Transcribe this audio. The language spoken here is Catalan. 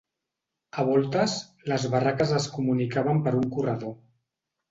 A voltes, les barraques es comunicaven per un corredor.